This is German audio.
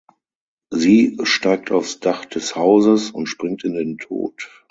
Sie steigt aufs Dach des Hauses und springt in den Tod.